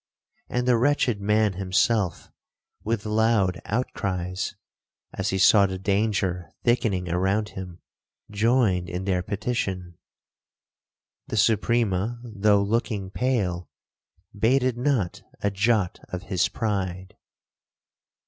And the wretched man himself, with loud outcries, (as he saw the danger thickening around him), joined in their petition. The Suprema, though looking pale, bated not a jot of his pride.